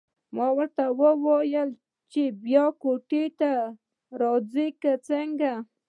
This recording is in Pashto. ما ورته وویل چې بیا بېرته کوټې ته راځو که څنګه.